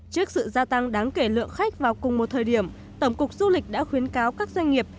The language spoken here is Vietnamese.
trước sự gia tăng đáng kể lượng khách vào cùng một thời điểm tổng cục du lịch đã khuyến cáo các doanh nghiệp